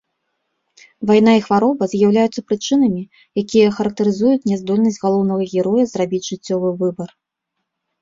Вайна і хвароба з'яўляюцца прычынамі, якія характарызуюць няздольнасць галоўнага героя зрабіць жыццёвы выбар.